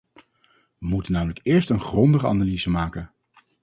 We moeten namelijk eerst een grondige analyse maken.